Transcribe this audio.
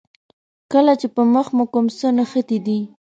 کله چې په مخ مو کوم څه نښتي دي.